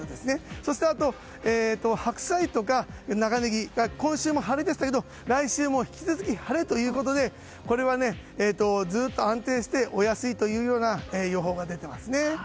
そして、白菜とか長ネギが今週も晴れでしたが来週も引き続き晴れということでこれはずっと安定してお安いというような予報が出ていますね。